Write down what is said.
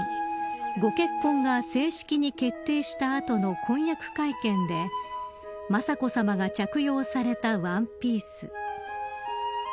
ご結婚が正式に決定した後の婚約会見で雅子さまが着用されたワンピース。